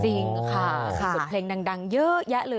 จริงค่ะมีบทเพลงดังเยอะแยะเลย